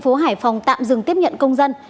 tp hcm tạm dừng tiếp nhận công dân